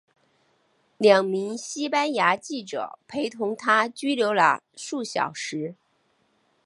两名西班牙记者陪同她拘留了数小时。